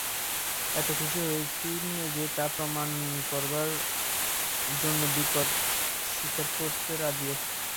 এত খুশি হয়েছি যে তা প্রমাণ করবার জন্য বিপদ স্বীকার করতে রাজি আছি।